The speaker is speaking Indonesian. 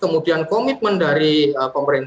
kemudian komitmen dari pemerintah untuk mendukung program ini